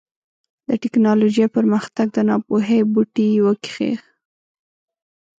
د ټيکنالوژۍ پرمختګ د ناپوهۍ بوټی وکېښ.